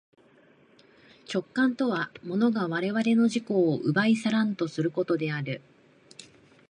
直観とは物が我々の自己を奪い去らんとすることである。